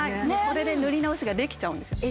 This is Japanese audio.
これで塗り直しができちゃうんですよ。